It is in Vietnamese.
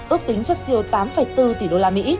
ước tính xuất siêu tám bốn tỷ usd